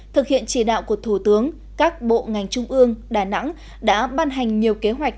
thực hiện chỉ đạo của thủ tướng các bộ ngành trung ương đà nẵng đã ban hành nhiều kế hoạch